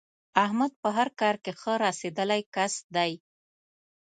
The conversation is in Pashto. احمد په هر کار کې ښه رسېدلی کس دی.